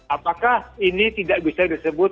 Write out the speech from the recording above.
apakah ini tidak bisa disebut